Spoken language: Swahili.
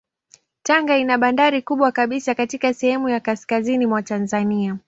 Tanga ina bandari kubwa kabisa katika sehemu ya kaskazini mwa Tanzania.